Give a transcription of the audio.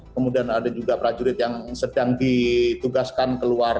kemudian ada juga prajurit yang sedang ditugaskan keluar